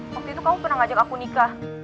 waktu itu kamu pernah ngajak aku nikah